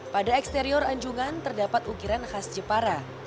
pada eksterior anjungan terdapat ukiran khas jepara